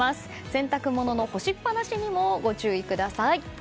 洗濯物の干しっぱなしにもご注意ください。